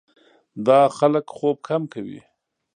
دا خلک خوب کم کوي.